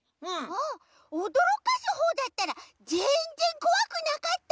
あっおどろかすほうだったらぜんぜんこわくなかった！